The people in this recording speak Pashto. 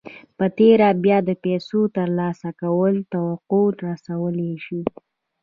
په تېره بیا د پیسو ترلاسه کولو توقع رسولای شئ